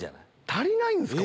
足りないんすか？